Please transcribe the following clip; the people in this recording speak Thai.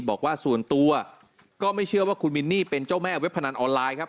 บอกว่าส่วนตัวก็ไม่เชื่อว่าคุณมินนี่เป็นเจ้าแม่เว็บพนันออนไลน์ครับ